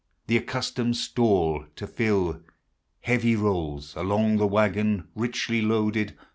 The accustomed stall to iill. Heavy rolls Alone; the wagon, Richly loaded.